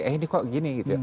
eh ini kok gini gitu ya